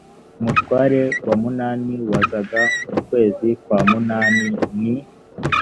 umutware wa munani wazaga mu kwezi kwa munani ni